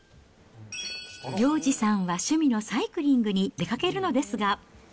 洋治さんは趣味のサイクリングに出かけるのですが。